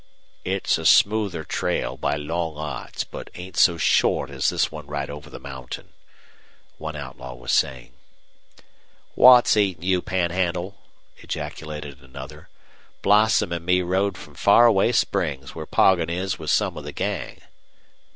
"It's a smoother trail by long odds, but ain't so short as this one right over the mountain," one outlaw was saying. "What's eatin' you, Panhandle?" ejaculated another. "Blossom an' me rode from Faraway Springs, where Poggin is with some of the gang."